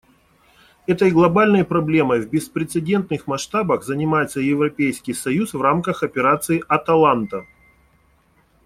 Этой глобальной проблемой в беспрецедентных масштабах занимается Европейский союз в рамках Операции «Аталанта».